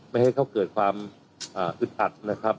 ไม่ให้เขาเกิดความอึดอัดนะครับ